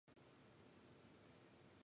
寒くなると朝が苦手だ